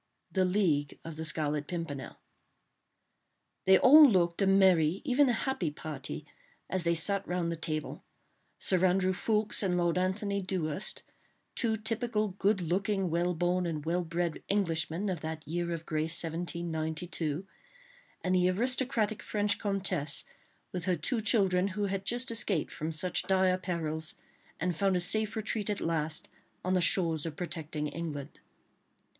THE LEAGUE OF THE SCARLET PIMPERNEL They all looked a merry, even a happy party, as they sat round the table; Sir Andrew Ffoulkes and Lord Antony Dewhurst, two typical good looking, well born and well bred Englishmen of that year of grace 1792, and the aristocratic French comtesse with her two children, who had just escaped from such dire perils, and found a safe retreat at last on the shores of protecting England.